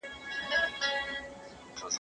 غلام په خپلو خبرو کې هیڅکله غرور نه درلود.